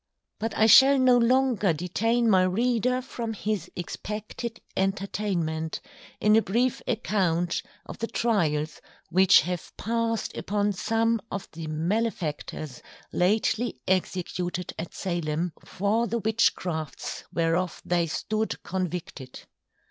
But I shall no longer detain my Reader, from his expected Entertainment, in a brief account of the Tryals which have passed upon some of the Malefactors lately Executed at Salem, for the Witchcrafts whereof they stood Convicted.